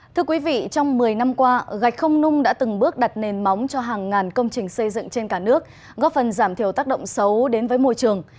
thưa quý vị trong một mươi năm qua gạch không nung đã từng bước đặt nền móng cho hàng ngàn công trình xây dựng trên cả nước góp phần giảm thiểu tác động xấu đến với môi trường